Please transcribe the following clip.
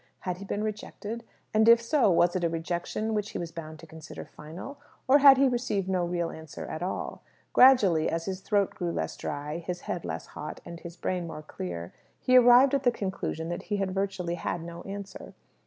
Had he been rejected? And, if so, was it a rejection which he was bound to consider final? Or had he received no real answer at all? Gradually, as his throat grew less dry, his head less hot, and his brain more clear, he arrived at the conclusion that he had virtually had no answer.